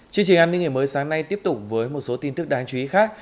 chương trình an ninh ngày mới sáng nay tiếp tục với một số tin tức đáng chú ý khác